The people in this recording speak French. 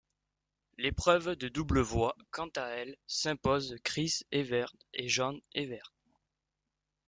L'épreuve de double voit quant à elle s'imposer Chris Evert et Jeanne Evert.